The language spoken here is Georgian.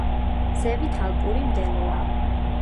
ზევით ალპური მდელოა.